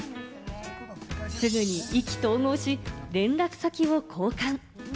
すぐに意気投合し、連絡先を交換。